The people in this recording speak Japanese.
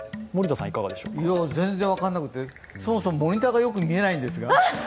全然分からなくて、そもそもモニターがよく見えないんですが。